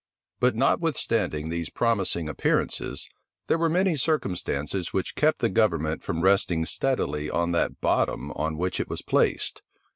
But notwithstanding these promising appearances, there were many circumstances which kept the government from resting steadily on that bottom on which it was placed.